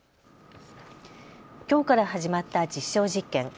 きょうから始まった実証実験。